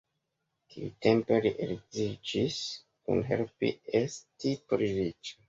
Tiutempe li edziĝis, kiu helpis esti pli riĉa.